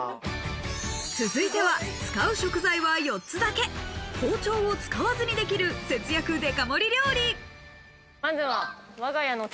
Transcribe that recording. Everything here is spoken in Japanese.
続いては、使う食材は４つだけ、包丁を使わずにできる、節約デカ盛り料理。